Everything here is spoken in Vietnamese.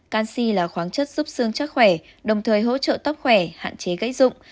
canxi là khoáng chất giúp xương chắc khỏe đồng thời hỗ trợ tóc khỏe hạn chế gãy rụng